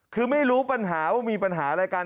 คือไม่รู้ปัญหาว่ามีปัญหาอะไรกัน